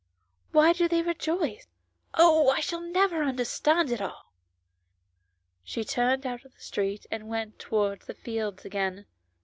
Why do they rejoice ? Oh ! I shall never understand it all." She turned out of the street, and went towards the fields again.